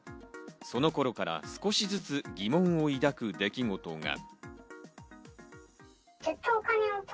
その頃から少しずつ疑問を抱く出来事が。